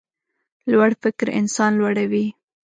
لوړ فکر انسان لوړوي.